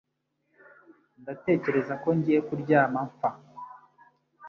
Ndatekereza ko ngiye kuryama mpfa